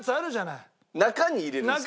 中に入れるんですか？